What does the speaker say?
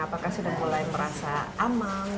apakah sudah mulai merasa aman